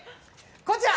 こちら！